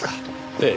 ええ。